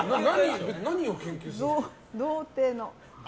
童貞の。